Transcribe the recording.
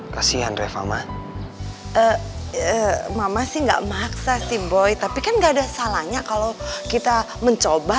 kasihan reva ma eh eh mama sih enggak maksa sih boy tapi kan enggak ada salahnya kalau kita mencoba